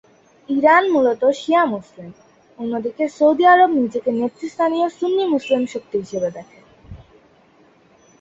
Iran মূলত শিয়া মুসলিম, অন্যদিকে সৌদি আরব নিজেকে নেতৃস্থানীয় সুন্নি মুসলিম শক্তি হিসেবে দেখে।